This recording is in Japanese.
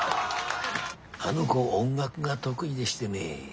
あの子音楽が得意でしてね